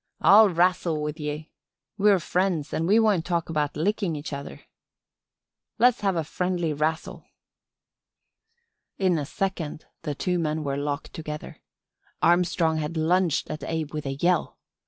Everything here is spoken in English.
I'll rassle with ye. We're friends an' we won't talk about lickin' each other. Le's have a friendly rassle.' "In a second the two men were locked together. Armstrong had lunged at Abe with a yell.